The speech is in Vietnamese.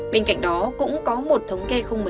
bên cạnh đó cũng có một thống kê không một